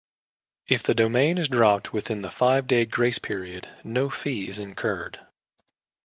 If the domain is dropped within the five-day grace period, no fee is incurred.